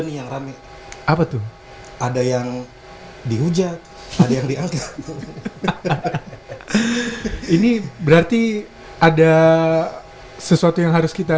nih yang rame apa tuh ada yang dihujat ada yang diangkat ini berarti ada sesuatu yang harus kita